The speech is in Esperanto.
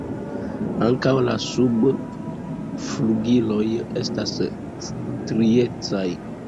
Ankaŭ la subflugiloj estas striecaj.